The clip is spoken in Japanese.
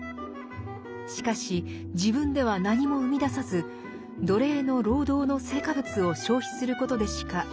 しかし自分では何も生み出さず奴隷の労働の成果物を消費することでしか生きていけません。